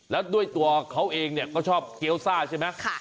แล้วด้วยตัวเขาเองเนี่ยก็ชอบเกี้ยวซ่าใช่ไหม